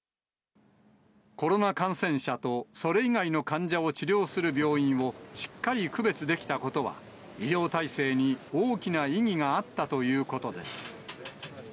コロナ感染者と、それ以外の患者を治療する病院をしっかり区別できたことは、医療体制に大きな意義があったということです。